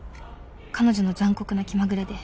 「彼女の残酷な気まぐれで」